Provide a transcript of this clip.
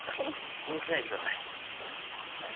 気にしないでください。